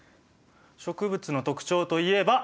植物の特徴といえば。